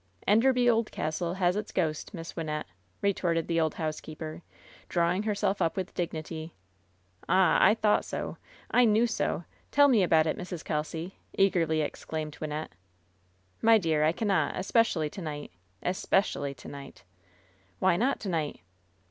"Enderby Old Castle has its ghost. Miss Wynnette," retorted the old housekeeper, drawing herself up with dignity. "Ah, I thought sol I knew so. Tell me about it, Mrs. Kelsy !" eagerly exclaimed Wynnette. "My dear, I cannot, especially to night — especially to night." "Why not to night?"